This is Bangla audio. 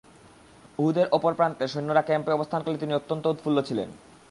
উহুদের অপর প্রান্তে সৈন্যরা ক্যাম্পে অবস্থানকালে তিনি অত্যন্ত উৎফুল্ল ছিলেন।